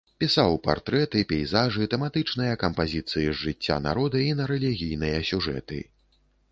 Пісаў партрэты, пейзажы, тэматычныя кампазіцыі з жыцця народа і на рэлігійныя сюжэты.